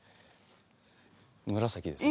紫ですね。